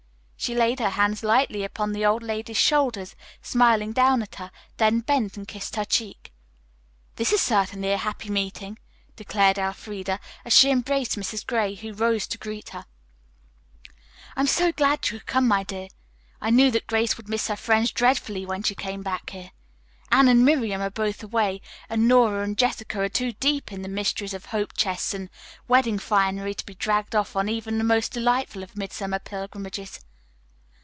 She laid her hands lightly upon the old lady's shoulders, smiling down at her, then bent and kissed her cheek. "This is certainly a happy meeting," declared Elfreda, as she embraced Mrs. Gray, who rose to greet her. "I'm so glad you could come, my dear. I knew that Grace would miss her friends dreadfully when she came back here. Anne and Miriam are both away, and Nora and Jessica are too deep in the mysteries of hope chests and wedding finery to be dragged off on even the most delightful of midsummer pilgrimages.